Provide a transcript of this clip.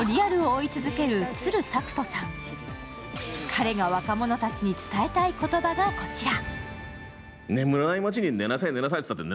彼が若者たちに伝えたい言葉がこちら。